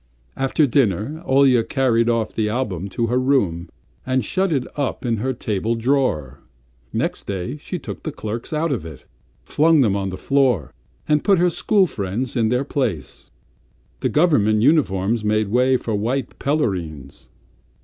After dinner Olya carried off the album to her room and shut it up in her table drawer. Next day she took the clerks out of it, flung them on the floor, and put her school friends in their place. The government uniforms made way for white pelerines.